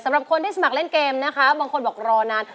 สำหรับคนที่สมัครเล่นเกมนะคะบางคนบอกรอนาน